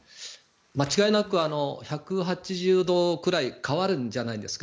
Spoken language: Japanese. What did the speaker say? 間違いなく１８０度くらい変わるんじゃないですか。